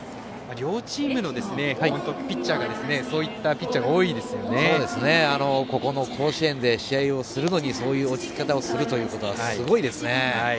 両チームのピッチャーがそういったピッチャーが甲子園で試合をするのにそういう落ち着き方をするというのはすごいですね。